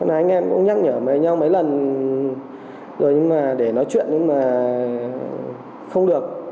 anh em cũng nhắc nhở với nhau mấy lần rồi nhưng mà để nói chuyện nhưng mà không được